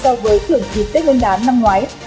so với thưởng thị tết nguyên đán năm ngoái